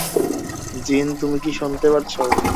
জিন, তুমি কি শুনতে পারছো।